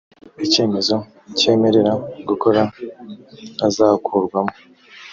icyemezo cyemerera gukora azakurwamo